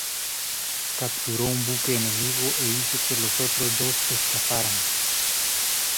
Capturó un buque enemigo e hizo que los otros dos escaparan.